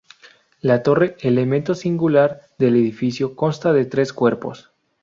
La torre, elemento singular del edificio, consta de tres cuerpos.